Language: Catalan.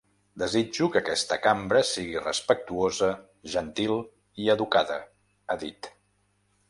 Desitjo que aquesta cambra sigui respectuosa, gentil i educada, ha dit.